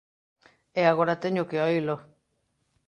E agora teño que oílo.